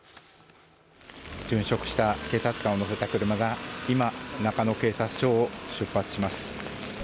殉職した警察官を乗せた車が今、中野警察署を出発します。